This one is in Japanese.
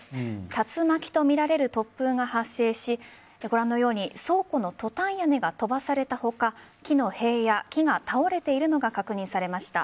竜巻とみられる突風が発生しご覧のように倉庫のトタン屋根が飛ばされた他木の塀や木が倒れているのが確認されました。